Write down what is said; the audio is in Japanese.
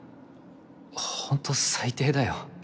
ホント最低だよ